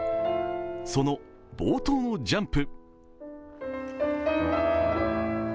その冒頭のジャンプ。